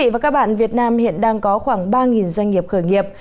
và các bạn việt nam hiện đang có khoảng ba doanh nghiệp khởi nghiệp